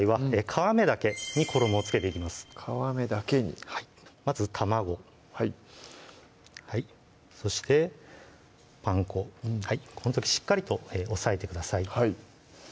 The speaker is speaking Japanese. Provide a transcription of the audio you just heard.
皮目だけにはいまず卵はいそしてパン粉この時しっかりと押さえてください